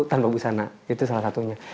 tanpa busana itu salah satunya